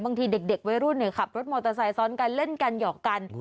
เด็กวัยรุ่นขับรถมอเตอร์ไซค์ซ้อนกันเล่นกันหยอกกัน